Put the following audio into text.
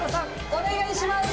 お願いします！